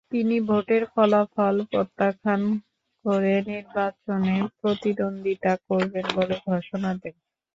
তিনি ভোটের ফলাফল প্রত্যাখ্যান করে নির্বাচনে প্রতিদ্বন্দ্বিতা করবেন বলে ঘোষণা দেন।